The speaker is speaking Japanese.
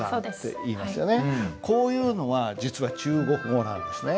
こういうのは実は中国語なんですね。